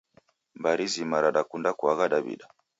Mbari zima radakunda kuagha Daw'ida.